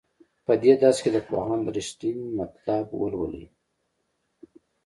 په دې درس کې د پوهاند رښتین مطلب ولولئ.